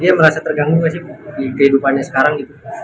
dia merasa terganggu nggak sih di kehidupannya sekarang